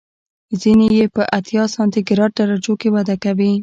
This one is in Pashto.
ځینې یې په اتیا سانتي ګراد درجو کې وده کوي.